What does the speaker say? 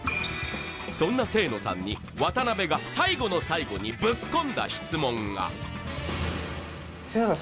そんな清野さんに渡部が最後の最後にぶっ込んだ質問が清野さん